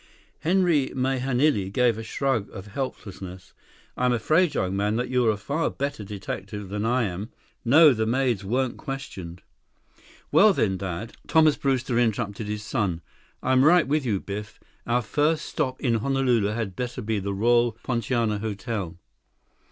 Henry Mahenili gave a shrug of helplessness. "I'm afraid, young man, that you're a far better detective than I am. No, the maids weren't questioned." "Well, then, Dad—" Thomas Brewster interrupted his son. "I'm right with you, Biff. Our first stop in Honolulu had better be the Royal Poinciana Hotel."